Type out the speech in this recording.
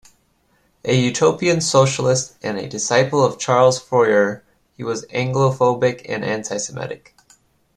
A utopian socialist and a disciple of Charles Fourier, he was anglophobic and anti-semitic.